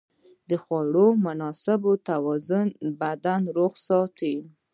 د خوړو مناسب توازن بدن روغ ساتي.